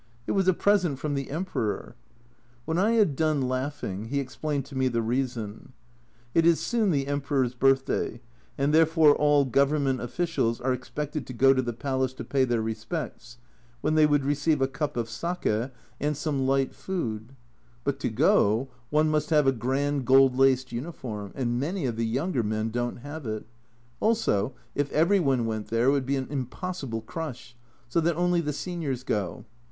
It was a present from the Emperor ! When I had done laughing he explained to me the reason. It is soon the Emperor's birthday, and therefore all Government officials are expected to go to the palace to pay their respects, when they would receive a cup of sake and 230 A Journal from Japan some light food. But to go one must have a grand gold laced uniform, and many of the younger men don't have it, also if every one went there would be an impossible crush, so that only the seniors go.